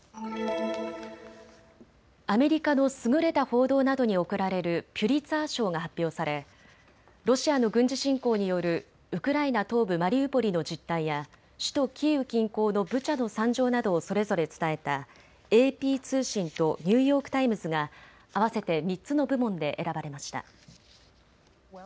アメリカの優れた報道などに贈られるピュリツァー賞が発表されロシアの軍事侵攻によるウクライナ東部マリウポリの実態や首都キーウ近郊のブチャの惨状などをそれぞれ伝えたＡＰ通信とニューヨーク・タイムズが合わせて３つの部門で選ばれました。